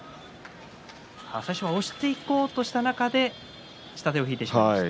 押していこうとした中で下手を引いてしまいました。